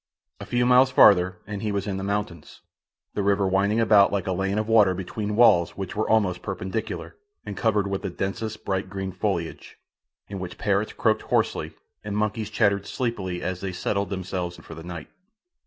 A few miles farther, and he was in the mountains, the river winding about like a lane of water between walls which were almost perpendicular, and covered with the densest, bright green foliage, in which parrots croaked hoarsely and monkeys chattered sleepily as they settled themselves for the night.